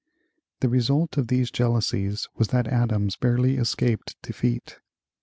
The result of these jealousies was that Adams barely escaped defeat.